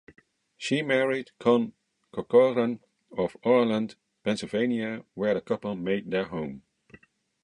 She married John Corcoran of Oreland, Pennsylvania, where the couple made their home.